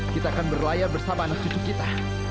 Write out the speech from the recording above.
kita akan berlayar bersama anak cucu kita